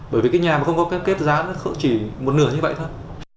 bởi vì cái nhà mà không có cam kết giá nó chỉ một nửa như vậy thôi